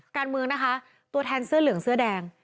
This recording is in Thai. การเมืองนะคะตัวแทนเสื้อเหลืองเสื้อแดง